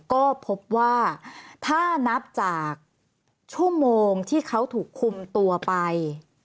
ก็พบว่าถ้านับจากชั่วโมงที่เขาถูกคุมตัวไป